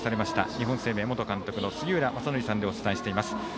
日本生命元監督の杉浦正則さんでお伝えしています